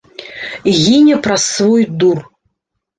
Гіне праз свой дур.